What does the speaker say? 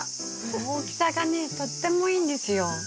大きさがねとってもいいんですよ。